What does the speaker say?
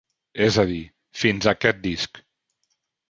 És a dir, fins a aquest disc.